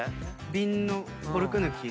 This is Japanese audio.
瓶のコルク抜き。